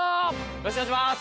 よろしくお願いします！